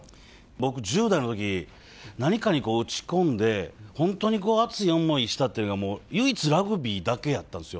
僕、１０代のとき、何かに打ち込んで、本当に熱い思いしたっていうのが唯一、ラグビーだけやったんですよ。